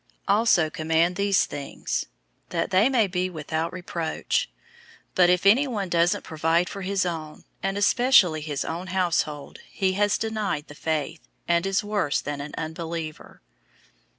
005:007 Also command these things, that they may be without reproach. 005:008 But if anyone doesn't provide for his own, and especially his own household, he has denied the faith, and is worse than an unbeliever.